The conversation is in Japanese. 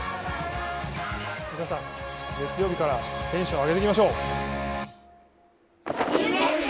皆さん、月曜日からテンション上げていきましょう！